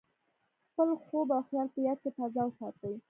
خپل خوب او خیال په یاد کې تازه وساتئ.